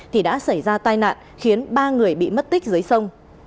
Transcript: thì đã xảy ra tai nạn khiến ba người bị mất tích dưới sông